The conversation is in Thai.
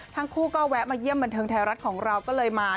ทั้งคู่ก็แวะมาเยี่ยมบันเทิงไทยรัฐของเราก็เลยมา